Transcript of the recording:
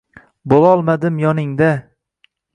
Bo’lolmadim yoningda.